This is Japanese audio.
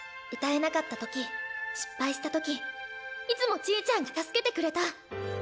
歌えなかった時失敗した時いつもちぃちゃんが助けてくれた。